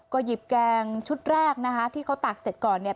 ก็หยิบแกงชุดแรกนะคะที่เขาตักเสร็จก่อนเนี่ย